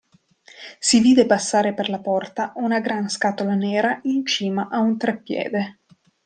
Si vide passare per la porta una gran scatola nera in cima a un treppiede.